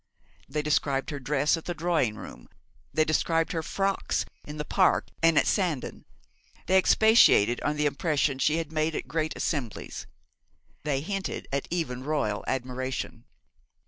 They described her dress at the drawing room; they described her 'frocks' in the Park and at Sandown. They expatiated on the impression she had made at great assemblies. They hinted at even Royal admiration.